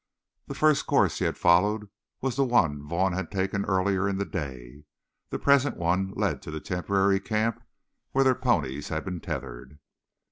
The first course he had followed was the one Vaughn had taken earlier in the day. The present one led to the temporary camp where their ponies had been tethered.